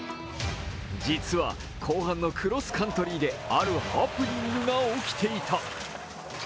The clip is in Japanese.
実は後半のクロスカントリーであるハプニングが起きていた。